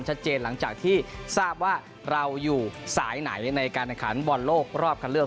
หลังจากที่ทราบว่าเราอยู่สายไหนในการแข่งขันบอลโลกรอบคันเลือก